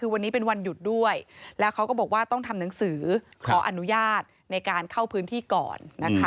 คือวันนี้เป็นวันหยุดด้วยแล้วเขาก็บอกว่าต้องทำหนังสือขออนุญาตในการเข้าพื้นที่ก่อนนะคะ